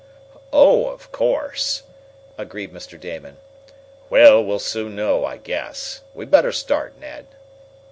"Oh, of course!" agreed Mr. Damon. "Well, we'll soon know, I guess. We'd better start, Ned."